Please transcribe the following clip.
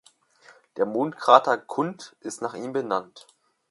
Der Mondkrater Kundt ist nach ihm benannt.